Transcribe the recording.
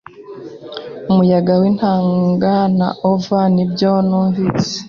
umuyaga w'intanga na ova, nibyo numvise